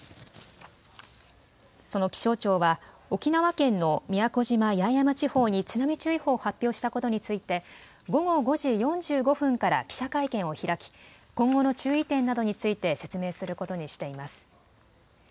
その気象庁は沖縄県の宮古島・八重山地方に津波注意報を発表したことについて午後５時４５分から記者会見を開き、今後の注意点などについて説明することにしています。